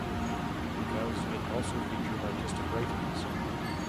Because it also featured artistic writings.